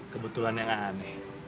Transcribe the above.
kebetulan yang aneh